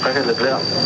các lực lượng